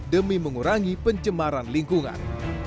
demi mengurangi pencemaran lingkungan